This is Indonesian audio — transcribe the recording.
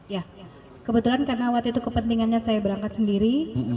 ya kebetulan karena waktu itu kepentingannya saya berangkat sendiri